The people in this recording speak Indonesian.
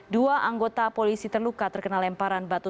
dua anggota polisi terluka terkena lemparan batu